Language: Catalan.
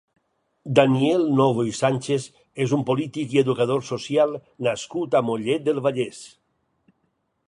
Daniel Novo i Sánchez és un polític i educador social nascut a Mollet del Vallès.